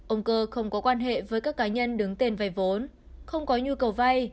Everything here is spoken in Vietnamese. ông cơ không có quan hệ với các cá nhân đứng tên vay vốn không có nhu cầu vay